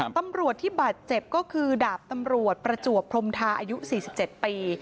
ตำรวจที่บาดเจ็บก็คือดาบตำรวจประจวบพรมทาอายุ๔๗ปี